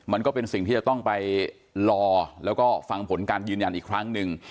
มันก็เป็นสิ่งที่จะต้องไปรอแล้วก็ฟังผลการยืนยันอีกครั้งหนึ่ง